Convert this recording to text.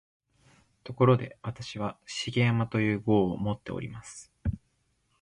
ところで、私は「重山」という号をもっております